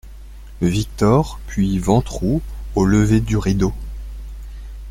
Victor puis Ventroux Au lever du rideau.